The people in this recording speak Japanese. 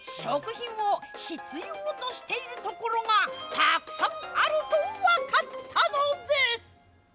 すると、食品を必要としているところがたくさんあると分かったのです。